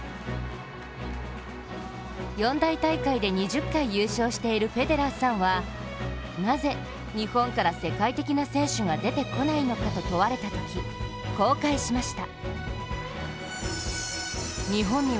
四大大会で２０回優勝しているフェデラーさんはなぜ日本から世界的な選手が出てこないのかと問われたとき、こう返しました。